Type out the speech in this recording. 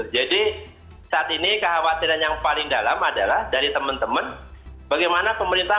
jadi saat ini kekhawatiran yang paling dalam adalah dari teman teman bagaimana pemerintah